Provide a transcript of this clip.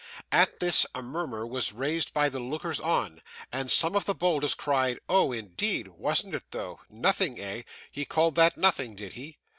At this a murmur was raised by the lookers on, and some of the boldest cried, 'Oh, indeed! Wasn't it though? Nothing, eh? He called that nothing, did he?